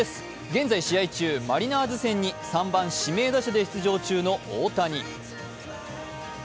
現在試合中、マリナーズ戦で３番・指名打者で出場中の大谷。